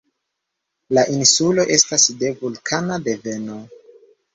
La insulo estas de vulkana deveno.